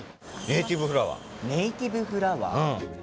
ネイティブフラワー？